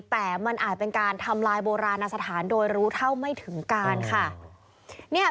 แต่มันอาจเป็นการทำลายโบราณสถานโดยรู้เท่าไม่ถึงการค่ะ